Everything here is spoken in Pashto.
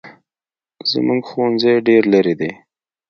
زموږ ښوونځی ډېر لري دی